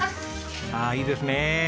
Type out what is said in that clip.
ああいいですねえ。